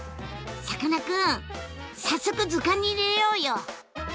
さかなクン早速図鑑に入れようよ！